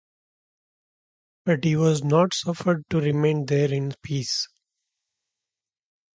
But he was not suffered to remain there in peace.